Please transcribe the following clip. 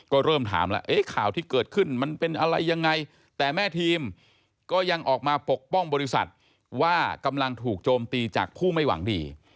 ก็เริ่มถามแล้วเอ๊ะข่าวที่เกิดขึ้นมันเป็นอะไรยังไงแต่แม่ทีมก็ยังออกมาปกป้องบริษัทว่ากำลังถูกโจมตีจากผู้ไม่หวังดี